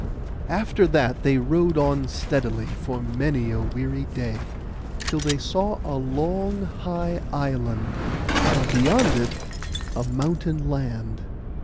After that they rowed on steadily for many a weary day, till they saw a long high island, and beyond it a mountain land.